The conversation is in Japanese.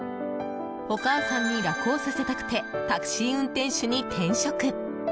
お母さんに楽をさせたくてタクシー運転手に転職。